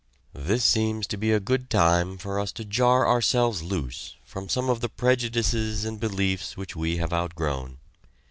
This seems to be a good time for us to jar ourselves loose from some of the prejudices and beliefs which we have outgrown.